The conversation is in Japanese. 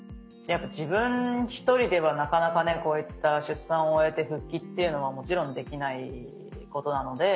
やっぱ自分１人ではなかなかこういった出産を終えて復帰っていうのはもちろんできないことなので。